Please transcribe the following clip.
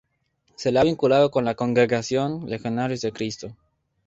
Se le ha vinculado con la congregación Legionarios de Cristo.